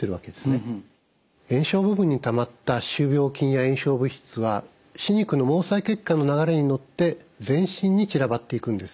炎症部分にたまった歯周病菌や炎症物質は歯肉の毛細血管の流れに乗って全身に散らばっていくんです。